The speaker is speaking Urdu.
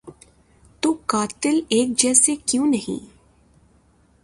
تو قاتل ایک جیسے کیوں نہیں؟